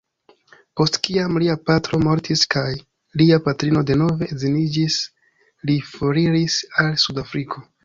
Post kiam lia patro mortis kaj lia patrino denove edziniĝis, li foriris al Sud-Afriko.